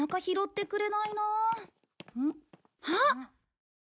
あっ！